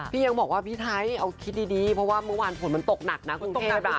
ยังบอกว่าพี่ไทยเอาคิดดีเพราะว่าเมื่อวานฝนมันตกหนักนะกรุงเทพ